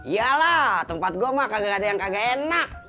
yalah tempat gua mah kagak ada yang kagak enak